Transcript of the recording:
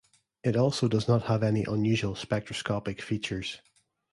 It also does not have any unusual spectroscopic features.